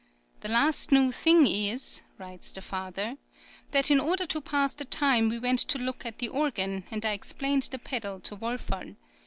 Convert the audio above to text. "The last new thing is," writes the father, "that in order to pass the time we went to look at the organ, and I explained the pedal to Wolferl.